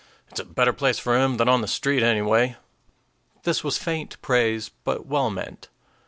"It's a better place for him than on the street, anyway." This was faint praise, but well meant.